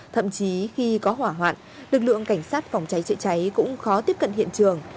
thậm chí khi có hỏa hoạn lực lượng cảnh sát phòng cháy chữa cháy cũng khó tiếp cận hiện trường